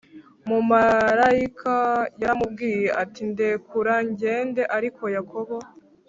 mumarayika yaramubwiye ati ndekura ngende Ariko Yakobo